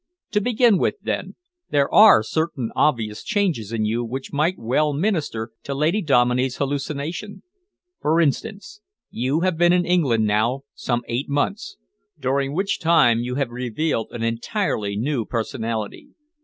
"To begin with then, there are certain obvious changes in you which might well minister to Lady Dominey's hallucination. For instance, you have been in England now some eight months, during which time you have revealed an entirely new personality.